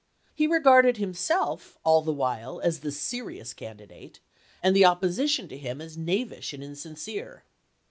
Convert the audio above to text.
He regarded himself all the while as the serious candidate, and the oppo sition to him as knavish and insincere.